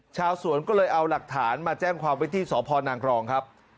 ชาวสวนก็เลยเอาหลักฐานมาแจ้งความไว้ที่สพนางกรองครับ